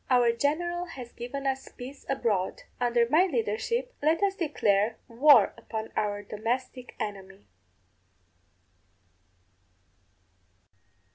Our general has given us peace abroad; under my leadership let us declare war upon our domestic enemy.